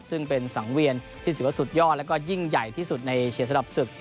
ซึ่งเป็นสังเวียนที่ถือว่าสุดยอดแล้วก็ยิ่งใหญ่ที่สุดในเชียร์สำหรับศึก